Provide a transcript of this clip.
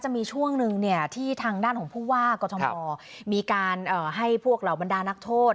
จะมีช่วงหนึ่งที่ทางด้านของผู้ว่ากรทมมีการให้พวกเหล่าบรรดานักโทษ